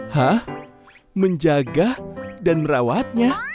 hah menjaga dan merawatnya